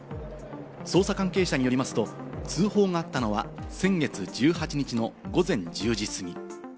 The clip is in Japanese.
捜査関係者によりますと、通報があったのは先月１８日の午前１０時過ぎ。